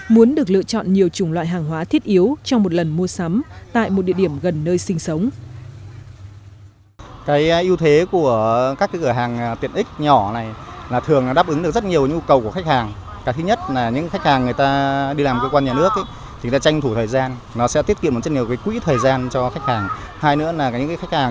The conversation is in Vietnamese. muốn được lựa chọn nhiều chủng loại hàng hóa thiết yếu trong một lần mua sắm tại một địa điểm gần nơi sinh sống